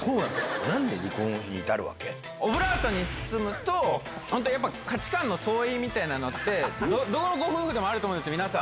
オブラートに包むと、やっぱ価値観の相違みたいなのって、どのご夫婦でもあると思うんです、皆さん。